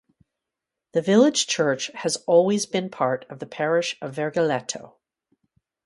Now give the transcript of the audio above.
The village church has always been part of the parish of Vergeletto.